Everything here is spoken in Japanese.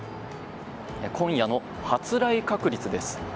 今夜の発雷確率です。